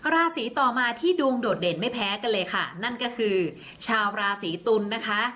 ราศีต่อมาที่ดวงโดดเด่นไม่แพ้กันเลยค่ะนั่นก็คือชาวราศีตุลนะคะ